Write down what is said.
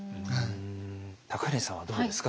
高柳さんはどうですか？